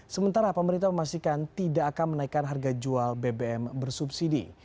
sementara pemerintah memastikan tidak akan menaikkan harga jual bbm bersubsidi